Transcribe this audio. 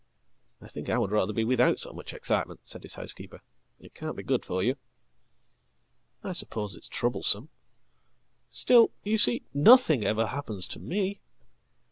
""I think I would rather be without so much excitement," said hishousekeeper. "It can't be good for you.""I suppose it's troublesome. Still ... you see, nothing ever happens tome.